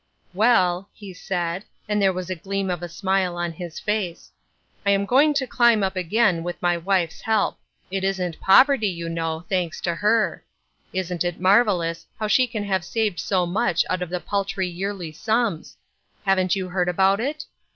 " Well," he said, and there was a gleam of a Bmile on his face, " I am going to climb up again with my wife's help. It isn't poverty, you " Bitter Sweet:' 887 know, thanks to her. Isn't it marvelous how she can have saved so much out of the paltry yearly sums? Haven't you heard about it?